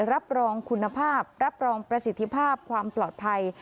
รับรองคุณภาพรับรองประสิทธิภาพความปลอดภัย